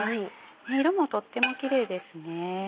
色もとってもキレイですね。